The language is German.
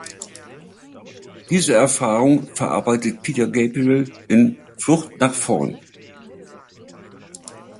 Diese Erfahrung verarbeitet Peter Gabriel in "Flucht nach vorn".